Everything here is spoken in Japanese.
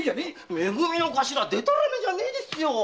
め組のお頭でたらめじゃねえですよ！